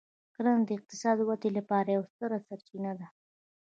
کرنه د اقتصادي ودې لپاره یوه ستره سرچینه ده.